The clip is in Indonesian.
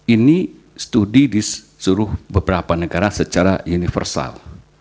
ini studi disuruh beberapa negara secara universal